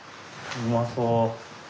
うまそう。